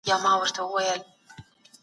آیا غواړئ زه په دې اړه نور معلومات درکړم؟